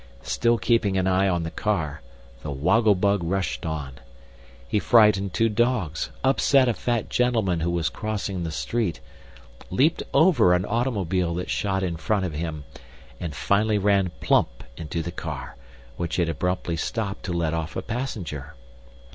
Still keeping an eye on the car, the Woggle Bug rushed on. He frightened two dogs, upset a fat gentleman who was crossing the street, leaped over an automobile that shot in front of him, and finally ran plump into the car, which had abruptly stopped to let off a passenger.